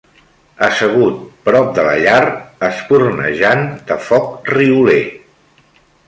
Assegut prop de la llar espurnejant de foc rioler